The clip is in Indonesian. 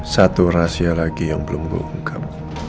satu rahasia lagi yang belum gua ungkap